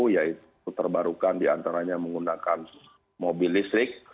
yaitu terbarukan diantaranya menggunakan mobil listrik